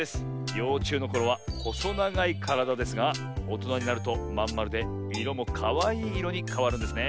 ようちゅうのころはほそながいからだですがおとなになるとまんまるでいろもかわいいいろにかわるんですね。